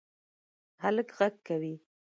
هلک غږ کوی